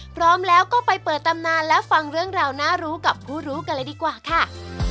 พร้อมแล้วก็ไปเปิดตำนานและฟังเรื่องราวน่ารู้กับผู้รู้กันเลยดีกว่าค่ะ